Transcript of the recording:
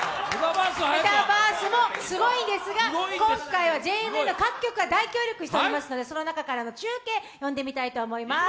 メタバースもすごいんですが今回はＪＮＮの各局が大協力しておりますのでその中からの中継、読んでみたいと思います。